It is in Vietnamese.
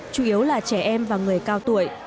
chủ yếu là trẻ em và người cao tuổi